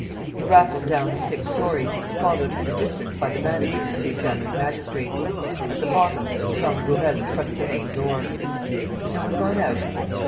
He rattled down the six storeys, followed at a distance by the manager and the examining magistrate. At the bottom, he found Gourel in front of the main door. "Has no one gone out?"